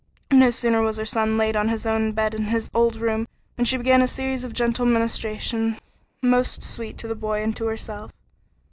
No sooner was her son laid on his own bed in his old room than she began a series of gentle ministrations most sweet to the boy and to herself.